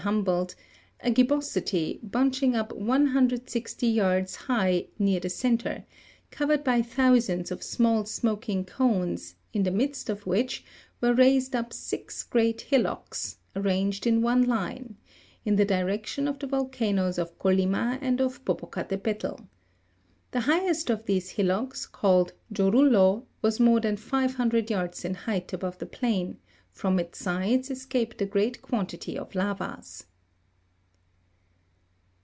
Humboldt, a gibbosity (bunching up) 160 yards high near the centre, covered by thousands of small smoking cones, in the midst of which were raised up six great hil locks, arranged in one line (Jig. 1 84), in the direction of the volcanoes of Colima and of Popocatapetl. The highest of these hillocks, called Jorullo, was more than five hundred yards in height above the plain ; from its sides escaped a great quantity of lavas.